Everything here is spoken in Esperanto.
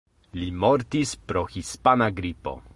Li mortis pro Hispana gripo.